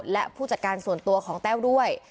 และผู้จัดการส่วนตัวของแต้วด้วย